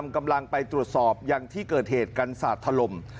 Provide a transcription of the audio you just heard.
กำลังไปตรวจสอบยังที่เกิดเหตุกันศาสตร์ถล่ม